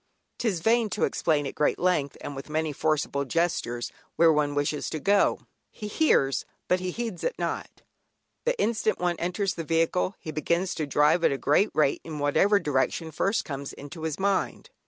'Tis vain to explain at great length, and with many forcible gestures, where one wishes to go; "he hears but heeds it not." The instant one enters the vehicle he begins to drive at a great rate in whatever direction first comes into his mind.